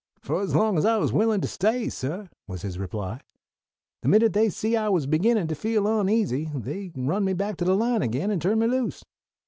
"Fo' as long as I was willin' to stay, suh," was his reply. "The minute they see I was beginnin' to feel oneasy they run me back to the line again, and turned me loose.